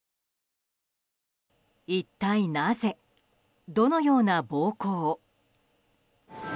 一体なぜ、どのような暴行を。